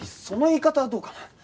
その言い方はどうかな？